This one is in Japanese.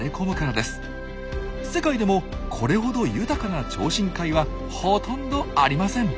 世界でもこれほど豊かな超深海はほとんどありません。